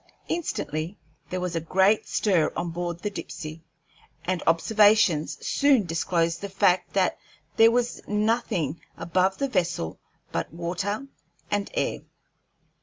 Instantly there was a great stir on board the Dipsey, and observations soon disclosed the fact that there was nothing above the vessel but water and air.